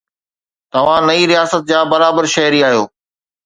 توهان نئين رياست جا برابر شهري آهيو.